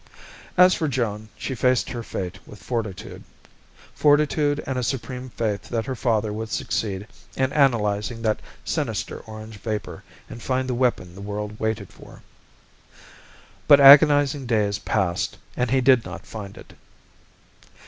As for Joan, she faced her fate with fortitude fortitude and a supreme faith that her father would succeed in analyzing that sinister orange vapor and find the weapon the world waited for. But agonizing days passed and he did not find it.